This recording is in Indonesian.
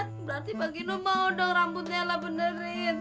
tapi pak gino mau dong rambutnya lah benerin